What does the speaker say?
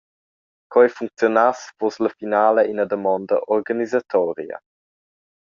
Co ei funcziunass fuss la finala ina damonda organisatoria.